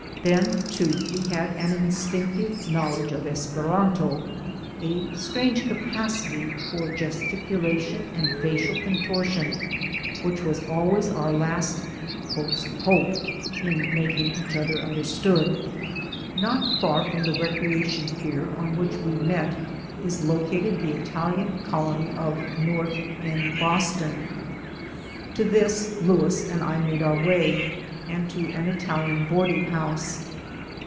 Then too, we had an instinctive knowledge of "esperanto," a strange capacity for gesticulation and facial con tortion, which was always our last "hope" in making each other understand. Not far from the recreation pier on which we met is located the Italian colony of "North End," Boston. To this Louis and I made our way, and to an Italian boarding house.